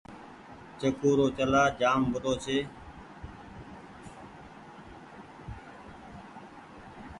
چڪو رو چلآ جآم موٽو ڇي۔